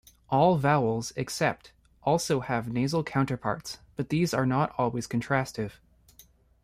All vowels except also have nasal counterparts, but these are not always contrastive.